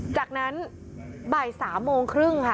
จากนั้นบ่าย๓โมงครึ่งค่ะ